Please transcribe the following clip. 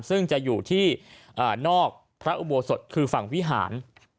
ซึ่งจะอยู่ที่นอกพระอุโบสถคือฝั่งวิหาร